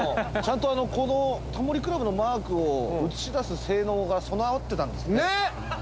ちゃんとこの『タモリ倶楽部』のマークを映し出す性能が備わってたんですね。